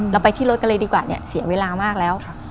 เราไปที่รถกันเลยดีกว่าเนี่ยเสียเวลามากแล้ว